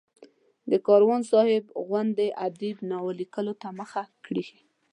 د کاروان صاحب غوندې ادیب ناول لیکلو ته مخه کړي.